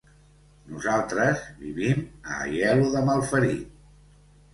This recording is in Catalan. Nosaltres vivim a Aielo de Malferit.